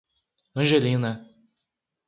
Angelina